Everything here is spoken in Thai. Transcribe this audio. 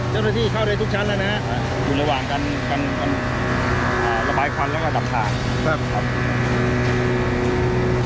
เจ้าหน้าที่เข้าได้ทุกชั้นแล้วนะฮะอยู่ระหว่างการกันระบายควันแล้วก็ดับถาดครับ